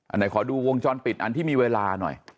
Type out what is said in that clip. ไหนขอดูวงจรปิดอันที่มีเวลาหน่อย